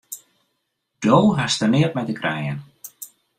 Do hast der neat mei te krijen!